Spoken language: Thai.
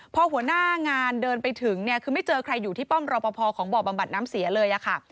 พอหัวหน้างานเดินไปถึงเนี่ยคือไม่เจอใครอยู่ที่ป้อมรอปภของบ่อบำบัดน้ำเสียเลยค่ะ